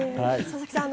佐々木さん